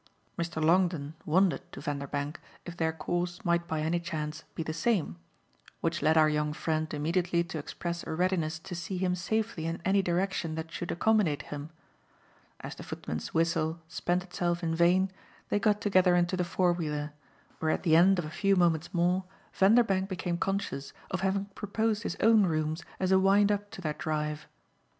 Mr. Longdon wondered to Vanderbank if their course might by any chance be the same; which led our young friend immediately to express a readiness to see him safely in any direction that should accommodate him. As the footman's whistle spent itself in vain they got together into the four wheeler, where at the end of a few moments more Vanderbank became conscious of having proposed his own rooms as a wind up to their drive.